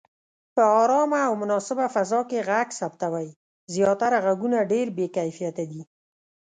په آرامه او مناسبه فضا کې غږ ثبتوئ. زياتره غږونه ډېر بې کیفیته دي.